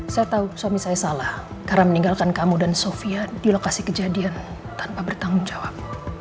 saya tahu suami saya salah karena meninggalkan kamu dan sofia di lokasi kejadian tanpa bertanggung jawab